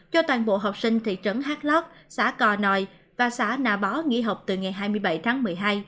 cho toàn bộ học sinh thị trấn hát lót xã cò nòi và xã nà bó nghỉ học từ ngày hai mươi bảy tháng một mươi hai